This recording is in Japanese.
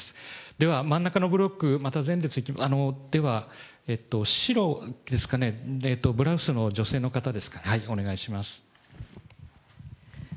では真ん中のブロック、また前列、では白ですかね、ブラウスの女性の方ですか、お願いします。